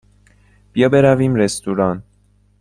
بیا برویم رستوران.